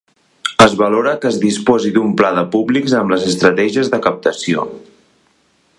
Es valora que es disposi d'un pla de públics amb les estratègies de captació.